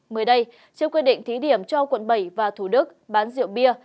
mới đây trước quy định thí điểm cho quận bảy và thủ đức bán rượu bia